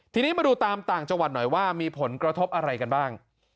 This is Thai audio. ทีนี้มาดูตามต่างจังหวัดหน่อยว่ามีผลกระทบอะไรกันบ้าง